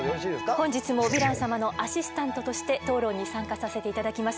本日もヴィラン様のアシスタントとして討論に参加させて頂きます